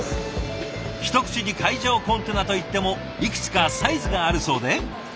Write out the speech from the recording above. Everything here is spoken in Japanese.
一口に海上コンテナと言ってもいくつかサイズがあるそうで。